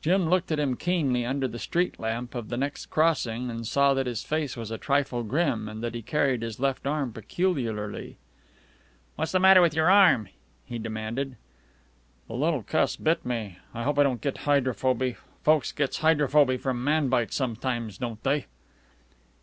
Jim looked at him keenly under the street lamp of the next crossing, and saw that his face was a trifle grim and that he carried his left arm peculiarly. "What's the matter with your arm?" he demanded. "The little cuss bit me. Hope I don't get hydrophoby. Folks gets hydrophoby from man bite sometimes, don't they?"